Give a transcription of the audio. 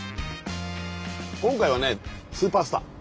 今回はねスーパースター。